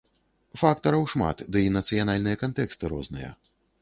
Фактараў шмат, дый нацыянальныя кантэксты розныя.